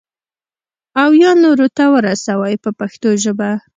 او یا نورو ته ورسوي په پښتو ژبه.